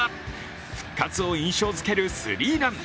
復活を印象づけるスリーラン。